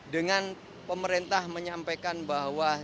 dengan pemerintah menyampaikan bahwa